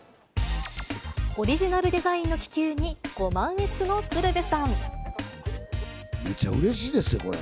オリジナルデザインの気球にめちゃうれしいですよ、これ。